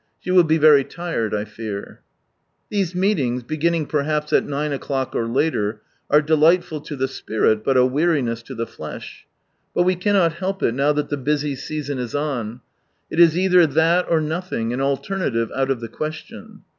She will be very tired, I fear. Thesemeci ings, begin ning per haps at 9 o'clock or later, are delightful to the spirit, but a weariness to the flesh. But we cannot help it, now that the busy season is on, it is either that or no "'^^^Jl ""^\ thing, an alternative out of the question.